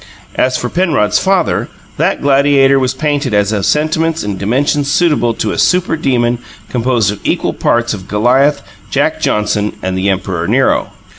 As for Penrod's father, that gladiator was painted as of sentiments and dimensions suitable to a super demon composed of equal parts of Goliath, Jack Johnson and the Emperor Nero.